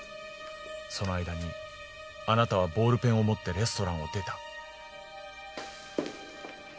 その間にあなたはボールペンを持ってレストランを出た。